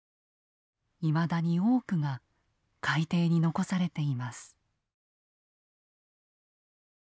いまだに多くが海底に残されています。